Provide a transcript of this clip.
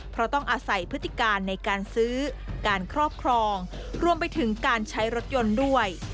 เพราะต้องอาศัยพฤติการในการซื้อการครอบครองรวมไปถึงการใช้รถยนต์ด้วย